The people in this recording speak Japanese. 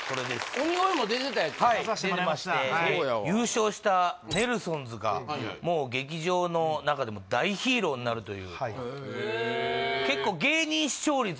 鬼越も出てたやつな出さしてもらいまして優勝したネルソンズがもう劇場の中でも大ヒーローになるというへえ